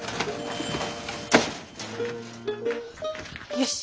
よし！